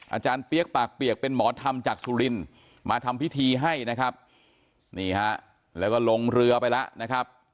อาจารย์เปี๊ยกปากเปียกเป็นหมอธรรมจากสุรินมาทำพิธีให้นะครับนี่ฮะแล้วก็ลงเรือไปแล้วนะครับ